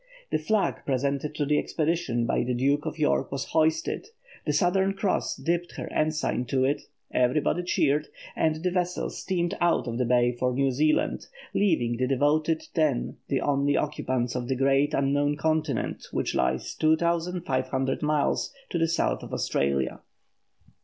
The flag presented to the expedition by the Duke of York was hoisted, the Southern Cross dipped her ensign to it, everybody cheered, and the vessel steamed out of the bay for New Zealand, leaving the devoted ten the only occupants of the great unknown continent which lies 2500 miles to the south of Australia. [Illustration: THE AURORA AUSTRALIS. _Drawn by Dr. E. A.